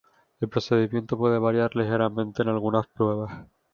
El procedimiento puede variar ligeramente en algunas pruebas.